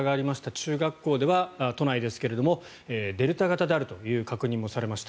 中学校では都内ですがデルタ型であるという確認もされました。